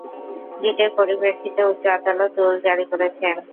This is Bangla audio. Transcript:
রিটের পরিপ্রেক্ষিতে উচ্চ আদালত রুল জারি করেছেন।